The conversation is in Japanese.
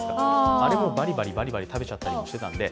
あれ、バリバリ食べちゃったりしていたので。